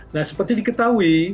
nah seperti diketahui